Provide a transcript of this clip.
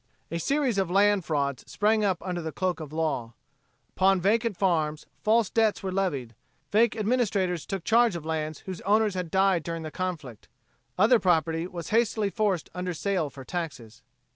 A series of land frauds sprang up under the cloak of the law. Upon vacant farms false debts were levied; fake administrators took charge of lands whose owners had died during the conflict; other property was hastily forced under sale for taxes.